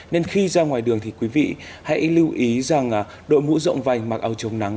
nên khi ra ngoài đường thì quý vị hãy lưu ý rằng đội mũ rộng vành mặc áo chống nắng